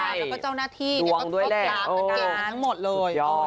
แล้วก็เจ้าหน้าที่ก็สลับกันกันทั้งหมดเลย